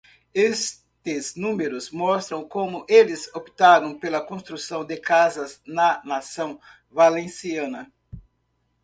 Estes números mostram como eles optaram pela construção de casas na nação valenciana.